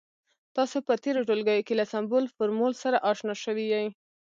تاسې په تیرو ټولګیو کې له سمبول، فورمول سره اشنا شوي يئ.